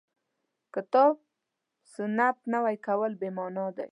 کتاب سنت نوي کول بې معنا ده.